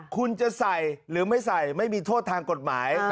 คุณจะใส่หรือไม่ใส่ไม่มีโทษทางกฎหมาย